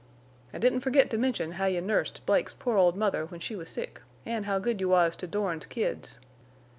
I didn't forget to mention how you nursed Blake's poor old mother when she was sick, an' how good you was to Dorn's kids.